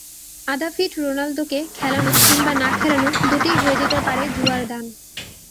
আধা ফিট রোনালদোকে খেলানো কিংবা না-খেলানো দুটিই হয়ে যেতে পারে জুয়ার দান।